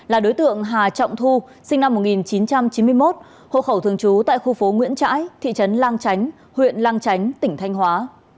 là đối tượng hà trọng thu sinh năm một nghìn chín trăm chín mươi một hộ khẩu thường trú tại khu phố nguyễn trãi thị trấn lang chánh huyện lang chánh tỉnh thanh hóa